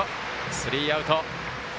スリーアウト。